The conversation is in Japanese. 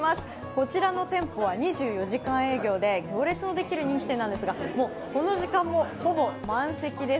こちらの店舗は２４時間営業で行列のできる人気店なんですがもうこの時間でもほぼ満席です。